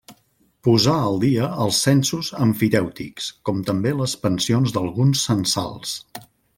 Posà al dia els censos emfitèutics, com també les pensions d’alguns censals.